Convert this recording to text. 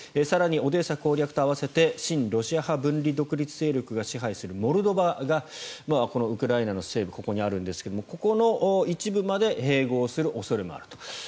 更にオデーサ攻略と合わせて親ロシア分離独立勢力が支配するモルドバがこのウクライナの西部ここにあるんですがここの一部まで併合する恐れもあると。